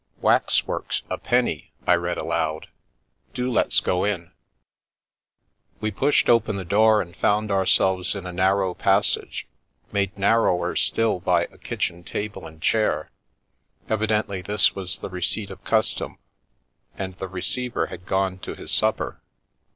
44 Waxworks, a penny !" I read aloud. " Do let's go in!" We pushed open the door and found ourselves in a narrow passage, made narrower still by a kitchen table and chair; evidently this was the receipt of custom and the receiver had gone to his supper.